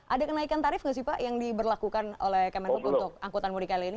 ada kenaikan tarif nggak sih pak yang diberlakukan oleh kemenhub untuk angkutan mudik kali ini